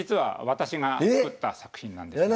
私が作った作品なんです。